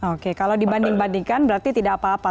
oke kalau dibanding bandingkan berarti tidak apa apa